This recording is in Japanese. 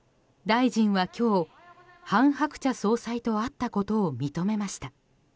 大臣は今日、韓鶴子総裁と会ったことを認めました。